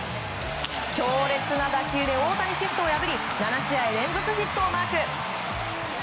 強烈な打球で大谷シフトを破り７試合連続ヒットをマーク。